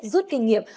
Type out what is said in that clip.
rút kinh nghiệm